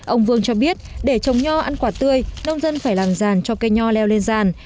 ông vương cho biết để trồng nho ăn quả tươi nông dân phải làng giàn cho cây nho leo lên ràn